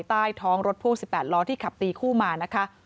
ใต้ท้องรถพ่วง๑๘ล้อที่ขับตีคู่มานะคะ